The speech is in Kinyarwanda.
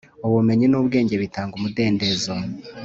ubumenyi n’ubwenge bitanga umudendezo